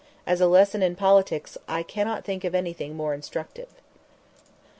As a lesson in politics I cannot think of anything more instructive."